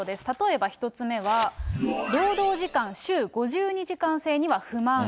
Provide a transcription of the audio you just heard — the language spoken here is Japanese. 例えば１つ目は、労働時間週５２時間制には不満。